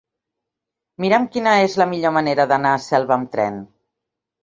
Mira'm quina és la millor manera d'anar a Selva amb tren.